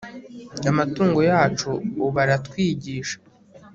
amatungo yacu ubu aratwigisha